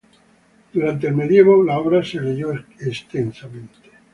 Durante el medioevo la obra se leyó extensamente.